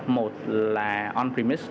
một là on premise